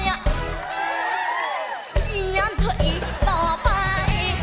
เยี่ยมเธออีกต่อไป